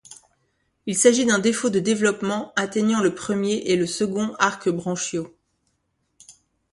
Il s'agit d'un défaut de développement atteignant le premier et le second arc branchiaux.